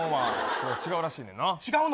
違うらしいねんな。